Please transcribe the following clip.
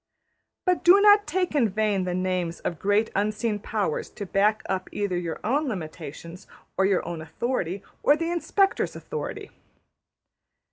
'' But do not take in vain the names of great unseen powers to back up either your own limitations, or your own authority, or the Inspector's authority.